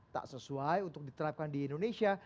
tak sesuai untuk diterapkan di indonesia